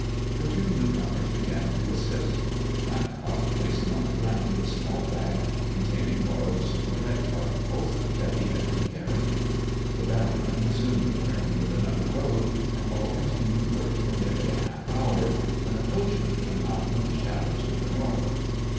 The two newcomers began to assist, Vannicock placing on the ground the small bag containing Laura's toilet articles that he had been carrying. The barrowman soon returned with another load, and all continued work for nearly a half hour, when a coachman came out from the shadows to the north.